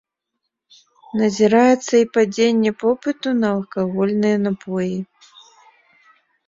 Назіраецца і падзенне попыту на алкагольныя напоі.